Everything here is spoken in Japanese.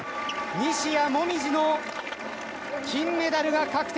西矢椛の金メダルが確定。